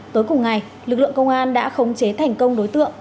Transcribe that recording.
tối cùng ngày lực lượng công an đã khống chế thành công đối tượng